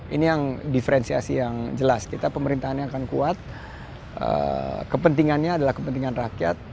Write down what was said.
ini yang diferensiasi yang jelas kita pemerintahannya akan kuat kepentingannya adalah kepentingan rakyat